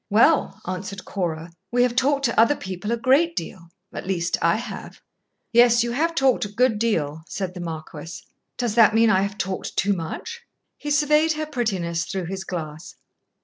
"Well," answered Cora, "we have talked to other people a great deal at least I have." "Yes, you have talked a good deal," said the marquis. "Does that mean I have talked too much?" He surveyed her prettiness through his glass.